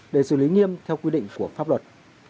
để xử lý nghiêm theo quy định của pháp luật